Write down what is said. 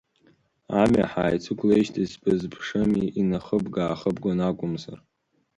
Амҩа ҳааицықәлеижьҭеи сбызԥшыми, инахыбга-аахыбгон акуәымзар.